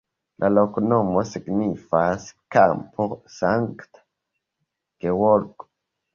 La loknomo signifas: kampo Sankta Georgo.